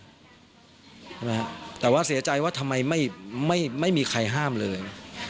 ใช่ไหมฮะแต่ว่าเสียใจว่าทำไมไม่มีใครห้ามเลย